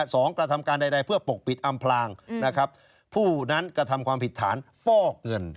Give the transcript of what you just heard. กระทำการใดใดเพื่อปกปิดอำพลางนะครับผู้นั้นกระทำความผิดฐานฟอกเงิน